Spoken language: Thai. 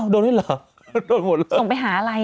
โดนไว้เหรอ